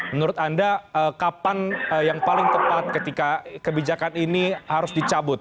menurut anda kapan yang paling tepat ketika kebijakan ini harus dicabut